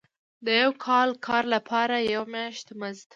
د یو کال کار لپاره یو میاشت مزد.